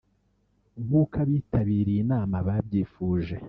nk’uko abitabiriye inama babyifuje